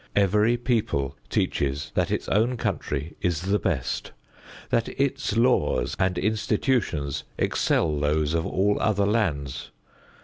Every people teaches that its own country is the best; that its laws and institutions excel those of all other lands.